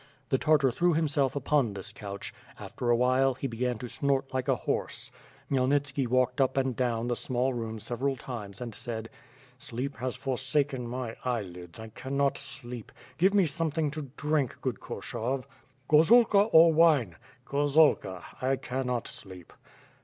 The Tartar threw himself upon this couch; after a while he began to snort like a horse. Khmyelnitski walked up and down the small room several times, and said: "Sleep has forsaken my eyelids, I can not sleep; give me something to drink, good Koshov." "Gorzalka or wine?" "Gorzalka; I cannot sleep."